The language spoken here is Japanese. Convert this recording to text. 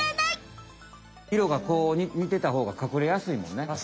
いろがこうにてたほうが隠れやすいもんね。